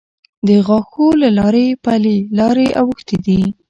د غاښو له لارې پلې لارې اوښتې دي.